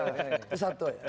itu satu ya